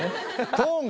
トーンが。